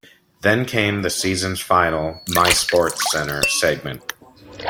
Then came the season's final "My "SportsCenter"" segment.